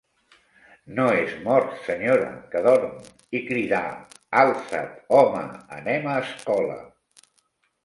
«No és mort, senyora, que dorm.» I cridà: «Alça’t, home, anem a escola!»